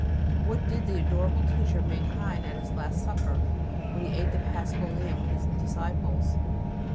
What did the adorable Teacher of mankind at His last Supper, when he ate the Paschal Lamb with His disciples?